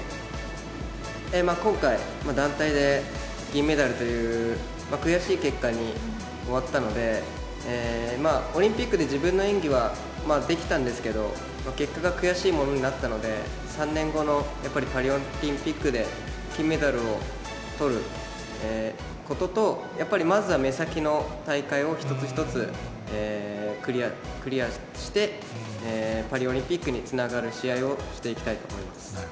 今回、団体で銀メダルという悔しい結果に終わったので、オリンピックで自分の演技はできたんですけど、結果が悔しいものになったので、３年後のやっぱりパリオリンピックで金メダルをとることと、やっぱりまずは目先の大会を一つ一つクリアして、パリオリンピックにつながる試合をしていきたいと思います。